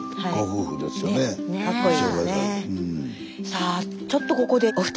さあちょっとここでお二人に。